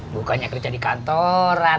bukannya kerja di kantoran